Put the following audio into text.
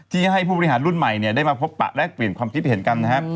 ที่ให้ผู้บริหารรุ่นใหม่เนี่ยได้มาพบปะแลกเปลี่ยนความคิดเห็นกันนะครับ